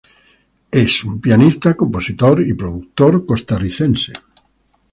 Es un pianista, compositor y productor costarricense.